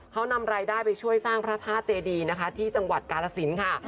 เขานำรายได้ไปช่วยสร้างพระธาตุเจดีนะคะที่จังหวัดกาลสินค่ะ